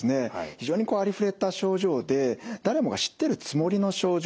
非常にありふれた症状で誰もが知ってるつもりの症状なんですね。